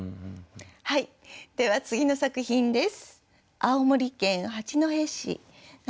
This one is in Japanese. では次の作品です。